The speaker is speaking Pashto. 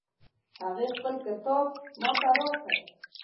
هغې خپل کتاب ما ته راکړ